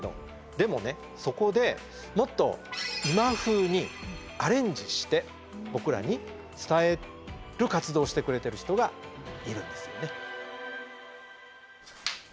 でもねそこでもっと今風にアレンジして僕らに伝える活動をしてくれてる人がいるんですよね。